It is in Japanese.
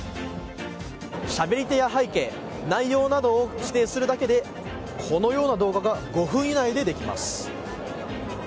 しゃべり手や背景内容などを指定するだけでこのような動画が５分以内で、できます。